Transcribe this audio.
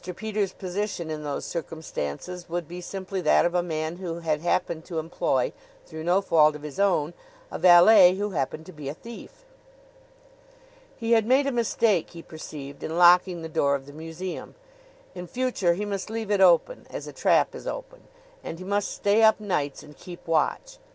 Peters' position in those circumstances would be simply that of a man who had happened to employ, through no fault of his own, a valet who happened to be a thief. He had made a mistake, he perceived, in locking the door of the museum. In future he must leave it open, as a trap is open; and he must stay up nights and keep watch.